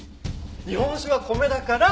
日本酒は米だから「Ｋ」。